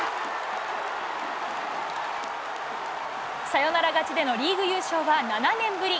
サヨナラ勝ちでのリーグ優勝は７年ぶり。